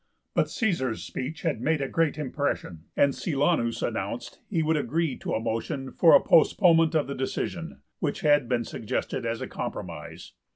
But Caesar's speech had made a great impression, and Silanus announced that he would agree to a motion for a postponement of the decision, which had been suggested as a compromise.